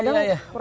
ada kurang aman